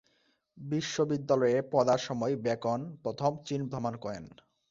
বিশ্ববিদ্যালয়ে পড়ার সময় বেকন প্রথম চীন ভ্রমণ করেন।